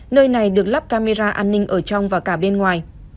nơi này được lắp camera an ninh ở trong và cả bên ngoài